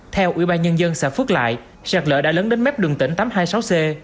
theo ủy ban nhân dân xã phước lại sạt lỡ đã lớn đến mép đường tỉnh tám trăm hai mươi sáu c